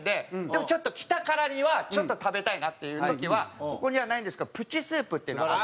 でもちょっと来たからにはちょっと食べたいなっていう時はここにはないんですがプチスープっていうのが。